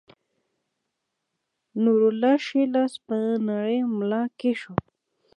نورالله ښے لاس پۀ نرۍ ملا کېښود